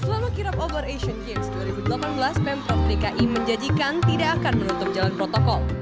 selama kirap obor asian games dua ribu delapan belas pemprov dki menjanjikan tidak akan menutup jalan protokol